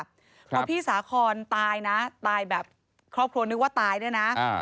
เพราะพี่สาคอนตายนะตายแบบครอบครัวนึกว่าตายด้วยนะ